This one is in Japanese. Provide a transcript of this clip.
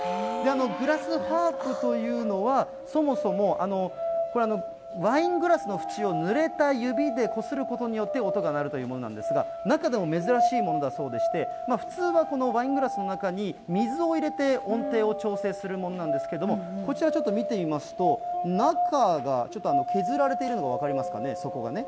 グラスハープというのは、そもそも、これ、ワイングラスの縁をぬれた指でこすることによって音が鳴るというものなんですが、中でも珍しいものだそうでして、普通はこのワイングラスの中に、水を入れて音程を調節するものなんですけれども、こちら、ちょっと見てみますと、中がちょっと削られているのが分かりますかね、底がね。